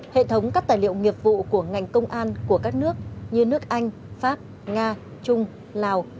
hệ thống các tài liệu nghiệp vụ của ngành công an của các nước như nước anh pháp nga trung lào